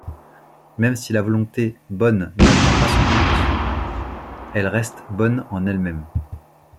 Même si la Volonté bonne n'atteint pas son but, elle reste bonne en elle-même.